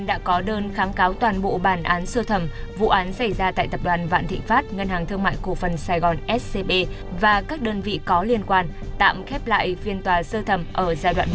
trong toàn bộ bản án sơ thẩm vụ án xảy ra tại tập đoàn vạn thị pháp ngân hàng thương mại cổ phần sài gòn scb và các đơn vị có liên quan tạm khép lại phiên tòa sơ thẩm ở giai đoạn một